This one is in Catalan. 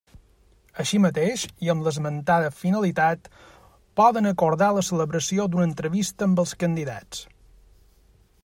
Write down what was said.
Així mateix i amb l'esmentada finalitat, poden acordar la celebració d'una entrevista amb els candidats.